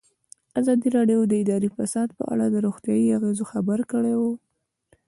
ازادي راډیو د اداري فساد په اړه د روغتیایي اغېزو خبره کړې.